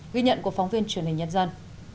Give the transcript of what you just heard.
ghi nhận của phóng viên truyền hình nhân dân